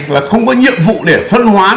là không có nhiệm vụ để phân hoán